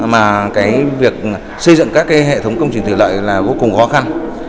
mà cái việc xây dựng các hệ thống công trình thủy lợi là vô cùng khó khăn